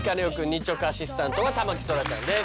日直アシスタントは田牧そらちゃんです。